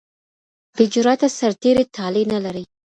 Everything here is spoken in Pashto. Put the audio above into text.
بې جراته سرتیري طالع نه لري.